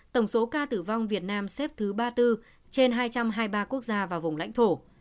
tổng số ca tử vong việt nam xếp thứ ba mươi bốn trên hai trăm hai mươi ba quốc gia và vùng lãnh thổ